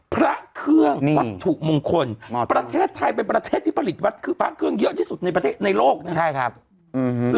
พระเครื่องวัตถุมงคลประเทศไทยเป็นประเทศที่ผลิตวัดคือพระเครื่องเยอะที่สุดในประเทศในโลกนะใช่ครับอืม